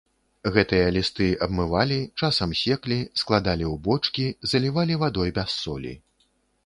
Гэтыя лісты абмывалі, часам секлі, складалі ў бочкі, залівалі вадой без солі.